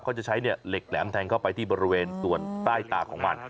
เขาจะใช้เหล็กแหลมแทงเข้าไปที่บริเวณส่วนใต้ตาของมัน